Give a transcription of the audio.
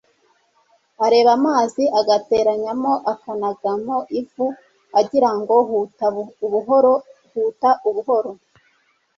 areba amazi agatereramo, akanagamo ivu, agira ngo: huta ubuhoro ,huta ubuhoro